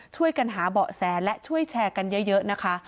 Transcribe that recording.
ช่วยกันหาเบาะแสและช่วยแชร์กันเยอะนะคะ